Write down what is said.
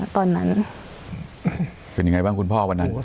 ตอนนั้นเป็นยังไงบ้างคุณพ่อวันนั้น